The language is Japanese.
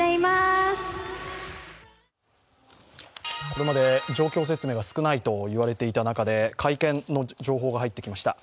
これまで、状況説明が少ないと言われていた中で会見の情報が入ってきました。